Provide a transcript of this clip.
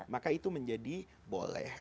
maka itu menjadi boleh